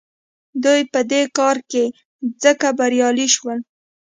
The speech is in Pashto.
دوی په دې کار کې ځکه بریالي شول.